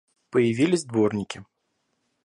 Появились дворники.